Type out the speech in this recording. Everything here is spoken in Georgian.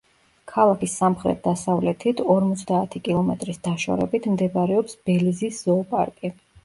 ქალაქის სამხრეთ-დასავლეთით, ორმოცდაათი კილომეტრის დაშორებით, მდებარეობს ბელიზის ზოოპარკი.